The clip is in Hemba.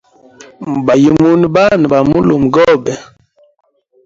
Mubayimune Bana na mulumegobe.